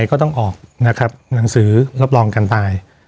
ก็ต้องออกนะครับหนังสือรับรองการตาย